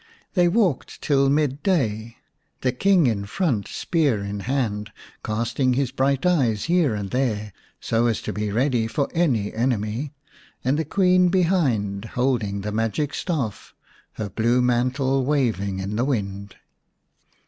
They walked till mid day, the King in front, spear in hand, casting his bright eyes here and there, so as to be ready for any enemy, and the Queen behind, holding the magic staff, her blue mantle waving in the wind.